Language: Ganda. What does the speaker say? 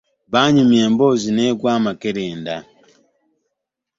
Banyumya emboozi n'egwa amakerenda